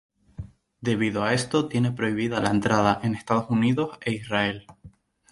Debido a esto tiene prohibida la entrada en Estados Unidos e Israel.